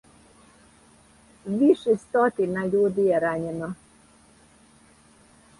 Више стотина људи је рањено.